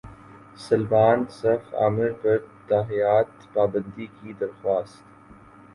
سلمان صف عامر پر تاحیات پابندی کی درخواست